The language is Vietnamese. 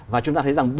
và chúng ta thấy rằng